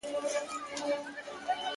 خاونده ستا د جمال نور به په سهار کي اوسې